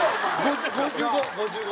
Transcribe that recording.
５５５５！